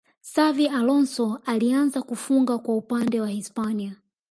xavi alonso alianza kufunga kwa upande wa hispania